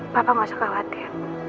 papa gak usah khawatir